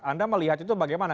anda melihat itu bagaimana